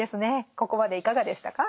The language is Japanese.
ここまでいかがでしたか？